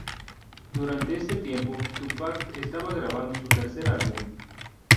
Durante este tiempo, Tupac estaba grabando su tercer álbum.